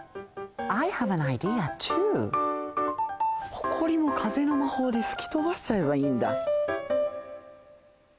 ほこりもかぜのまほうでふきとばしちゃえばいいんだ。